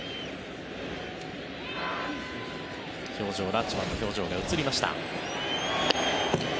ラッチマンの表情が映りました。